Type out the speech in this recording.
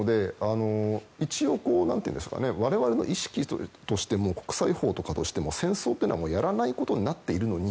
一応、我々の意識としても国際法としても戦争というのはやらないことになっているのに